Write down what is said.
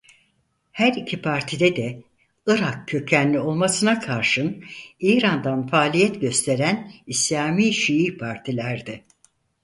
Her iki partide de Irak kökenli olmasına karşın İran'dan faaliyet gösteren İslami Şii partilerdi.